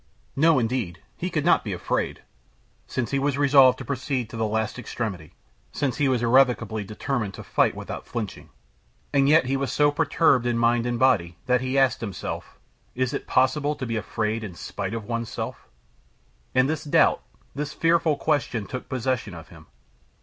No, indeed; he could not be afraid, since he was resolved to proceed to the last extremity, since he was irrevocably determined to fight without flinching. And yet he was so perturbed in mind and body that he asked himself: "Is it possible to be afraid in spite of one's self?" And this doubt, this fearful question, took possession of him.